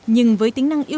nhưng với tính năng yêu cầu